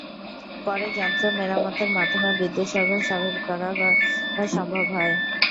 পরে যন্ত্র মেরামতের মাধ্যমে বিদ্যুৎ সরবরাহ স্বাভাবিক করা করা সম্ভব হয়।